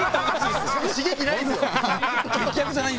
刺激ないですよ。